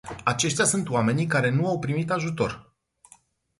Aceștia sunt oamenii care nu au primit ajutor.